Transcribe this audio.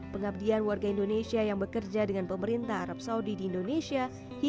pengabdian warga indonesia yang bekerja dengan pemerintah arab saudi di indonesia